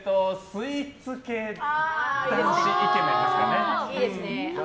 スイーツ系男子イケメンですかね。